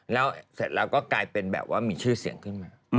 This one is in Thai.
แล้วเสร็จแล้วก็กลายเป็นแบบว่ามีชื่อเสียงขึ้นมา